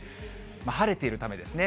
晴れているためですね。